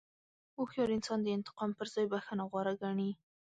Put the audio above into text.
هوښیار انسان د انتقام پر ځای بښنه غوره ګڼي.